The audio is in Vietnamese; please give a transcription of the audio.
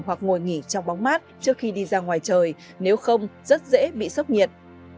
hoặc ngồi nghỉ trong bóng mát trước khi đi ra ngoài trời nếu không rất dễ bị sốc nhiệt